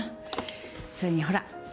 それにほら。